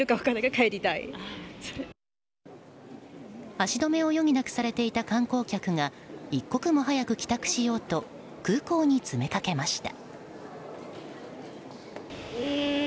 足止めを余儀なくされていた観光客が一刻も早く帰宅しようと空港に詰めかけました。